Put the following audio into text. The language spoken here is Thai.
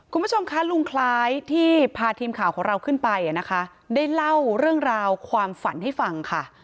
คุณผู้ชมคะลุงคล้ายที่พาทีมข่าวของเราขึ้นไปนะคะได้เล่าเรื่องราวความฝันให้ฟังค่ะ